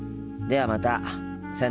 ではまた。